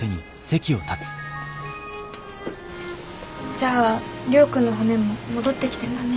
じゃあ亮君の船も戻ってきてんだね。